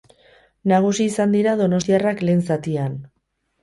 Nagusi izan dira donostiarrak lehen zatian.